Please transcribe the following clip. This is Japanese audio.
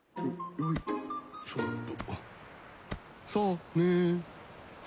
よいしょっと。